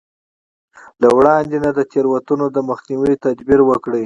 له وړاندې نه د تېروتنو د مخنيوي تدبير وکړي.